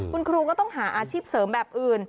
คุณครูก็ต้องหาอาชีพเสริมแบบอื่น